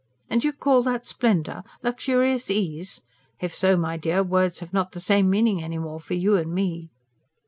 And you call that splendour? luxurious ease? If so, my dear, words have not the same meaning any more for you and me."